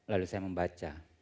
lalu saya membaca